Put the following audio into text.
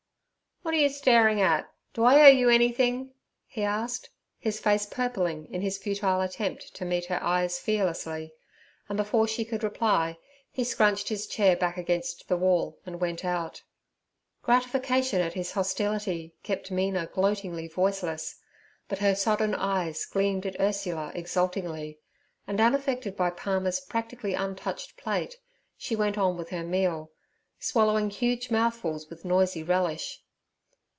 'What are you staring at? Do I owe you anything?' he asked, his face purpling in his futile attempt to meet her eyes fearlessly, and before she could reply he scrunched his chair back against the wall and went out. Gratification at his hostility kept Mina gloatingly voiceless, but her sodden eyes gleamed at Ursula exultingly, and unaffected by Palmer's practically untouched plate, she went on with her meal, swallowing huge mouthfuls with noisy relish.